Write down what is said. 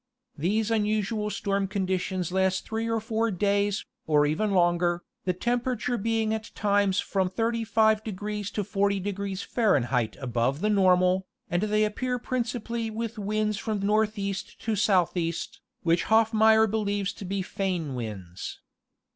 These unusual storm conditions last three or four days, or even longer, the temperature being at times from 35° to 40° Fahr. above the normal, and they appear principally with winds from northeast to southeast, which Hoffmeyer believes to be foehn winds.